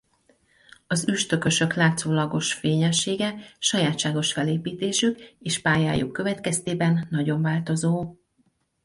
Az üstökösök látszólagos fényessége sajátságos felépítésük és pályájuk következtében nagyon változó.